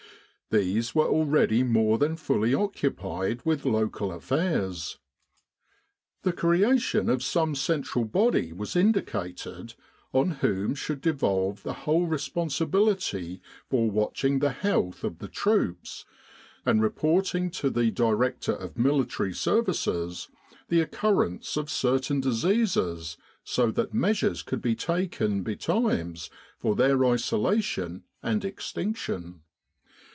These were already more than fully occupied with local affairs. The creation of some central body was indicated on whom should devolve the whole responsibility for watching the health of the troops, and reporting to the Director of Military Services the occurrence of certain diseases so that measures could be taken betimes for their isolation and extinction.